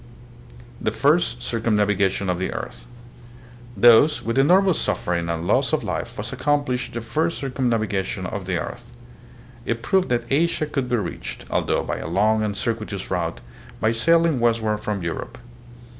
The First Circumnavigation of the Earth. Thus with enormous suffering and loss of life was accomplished the first circumnavigation of the earth. It proved that Asia could be reached, although by a long and circuitous route, by sailing westward from Europe.